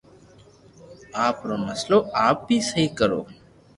آپ رو مسلو آپ اي سھو ڪرو